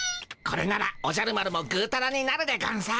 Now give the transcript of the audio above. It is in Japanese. これならおじゃる丸もぐーたらになるでゴンス。